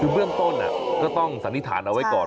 คือเบื้องต้นก็ต้องสันนิษฐานเอาไว้ก่อน